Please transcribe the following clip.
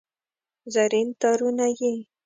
زرین تارونه یې